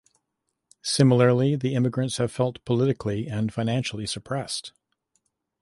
Similarly, the immigrants have felt politically and financially suppressed.